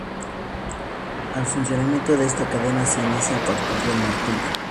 El funcionamiento de esta cadena se inicia a partir del martillo.